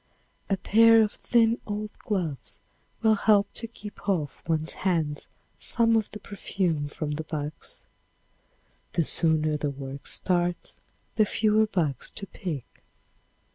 A pair of thin old gloves will help to keep off one's hands some of the perfume from the bugs. The sooner the work starts the fewer bugs to pick.